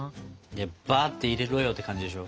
ばって入れろよって感じでしょ？